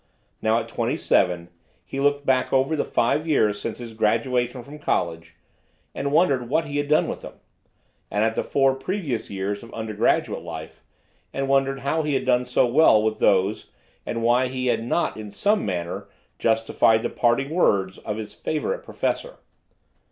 Now, at twenty seven, he looked back over the five years since his graduation from college and wondered what he had done with them; and at the four previous years of undergraduate life and wondered how he had done so well with those and why he had not in some manner justified the parting words of his favorite professor.